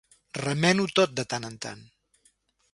Remena-ho tot, de tant en tant.